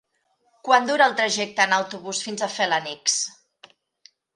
Quant dura el trajecte en autobús fins a Felanitx?